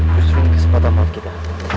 pusulin kesempatan maaf kita